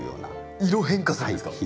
色変化するんですか？